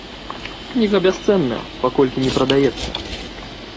Кніга бясцэнная, паколькі не прадаецца.